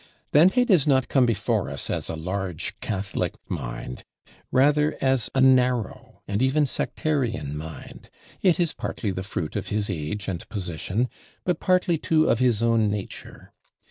Dante does not come before us as a large catholic mind; rather as a narrow, and even sectarian mind: it is partly the fruit of his age and position, but partly too of his own nature.